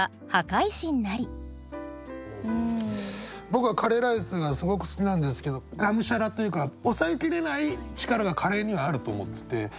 僕はカレーライスがすごく好きなんですけどがむしゃらというか抑えきれない力がカレーにはあると思ってて。